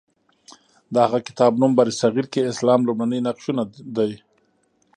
د هغه کتاب نوم برصغیر کې اسلام لومړني نقشونه دی.